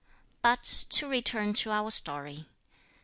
But to return to our story.